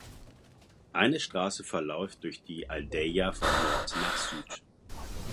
Eine Straße verläuft durch die Aldeia von Nord nach Süd.